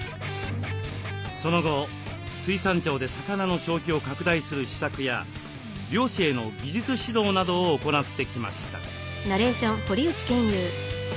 その後水産庁で魚の消費を拡大する施策や漁師への技術指導などを行ってきました。